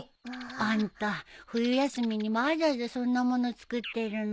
あんた冬休みにわざわざそんなもの作ってるの？